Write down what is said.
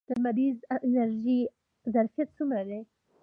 د لمریزې انرژۍ ظرفیت څومره دی؟